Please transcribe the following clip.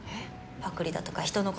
パクリだとか人の事